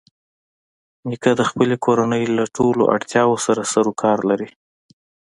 نیکه د خپلې کورنۍ له ټولو اړتیاوو سره سرکار لري.